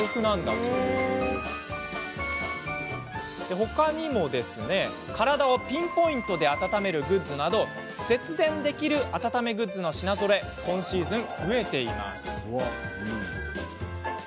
他にも、体をピンポイントで温めるグッズなど節電できる温めグッズの品ぞろえが今シーズンは増えています。